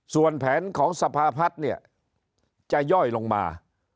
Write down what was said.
ส่วนแผนของสภาพัฒน์เนี่ยจะย่อยลงมา